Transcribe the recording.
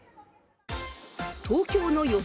東京の予想